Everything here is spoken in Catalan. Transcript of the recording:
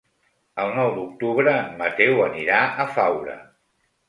El nou d'octubre en Mateu anirà a Faura.